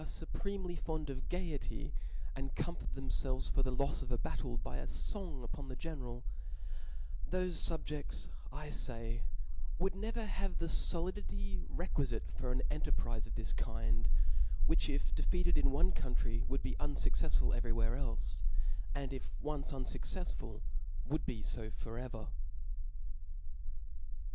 Ibprentely fond erf gaiety, and comfort them ieltrcs fbr the k)fs of a battle by a fong upon the ge neral 5 thofe fubjefts, I fay, would never have the foHditf i^quifitc fcM an cnterprize of this kind, which if defeated in one country, would be unfuc cftfsful evel y wtiens elfe j and if once unfucccfsful, l^uld'be lb tot ever.